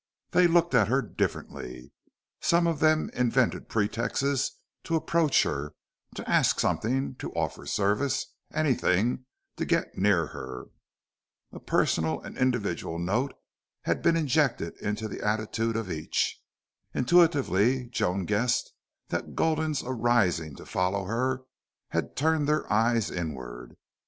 They looked at her differently. Some of them invented pretexts to approach her, to ask something, to offer service anything to get near her. A personal and individual note had been injected into the attitude of each. Intuitively Joan guessed that Gulden's arising to follow her had turned their eyes inward.